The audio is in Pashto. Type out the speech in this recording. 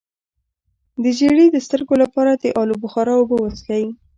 د زیړي د سترګو لپاره د الو بخارا اوبه وڅښئ